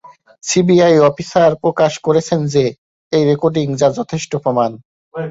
CBI officer প্রকাশ করেছেন যে এই রেকর্ডিং যা যথেষ্ট প্রমাণ।